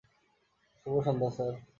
শুভ সন্ধ্যা, স্যার।